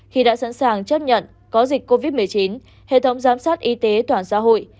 khi đã sẵn sàng chấp nhận có dịch covid một mươi chín hệ thống giám sát y tế toàn xã hội